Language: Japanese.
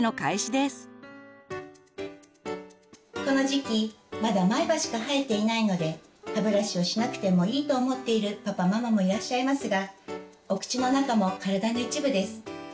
この時期まだ前歯しか生えていないので歯ブラシをしなくてもいいと思っているパパママもいらっしゃいますがお口の中も体の一部です。